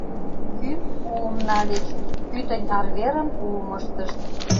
Кӱм уым нальыч, пӱтынь арверым уым ыштышт.